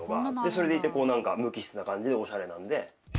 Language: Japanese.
それでいて無機質な感じでおしゃれなんで。